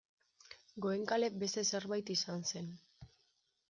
Goenkale beste zerbait izan zen.